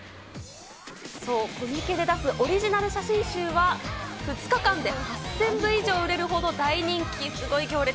そう、コミケで出すオリジナル写真集は２日間で８０００部以上売れるほどの大人気、すごい行列。